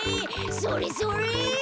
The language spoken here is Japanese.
それそれ！